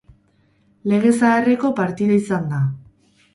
Lege zaharreko partida izan da.